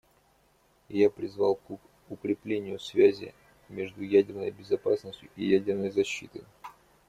И я призвал к укреплению связи между ядерной безопасностью и ядерной защитой.